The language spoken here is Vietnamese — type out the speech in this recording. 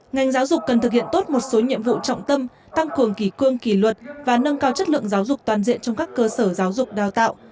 ngành giáo dục cần thực hiện tốt một số nhiệm vụ trọng tâm tăng cường kỳ cương kỳ luật và nâng cao chất lượng giáo dục toàn diện trong các cơ sở giáo dục đào tạo